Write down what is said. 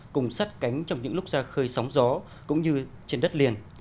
cùng sắt cánh trong những lúc ra khơi sóng gió cũng như trên đất liền